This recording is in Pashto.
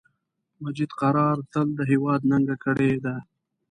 مجید قرار تل د هیواد ننګه کړی ده